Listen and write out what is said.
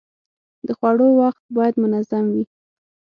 د خوړو وخت باید منظم وي.